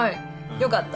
よかった。